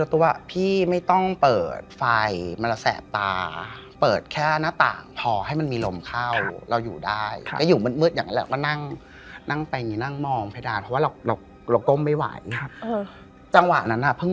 ทีนี้ในห้องน้ำเนี่ยมันค่อนข้างกว้างและโปร่ง